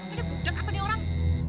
ada bujak apa nih orang